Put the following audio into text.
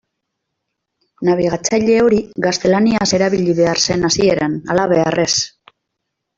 Nabigatzaile hori gaztelaniaz erabili behar zen hasieran, halabeharrez.